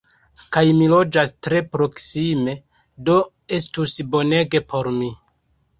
Kaj mi loĝas tre proksime! Do estus bonege por mi!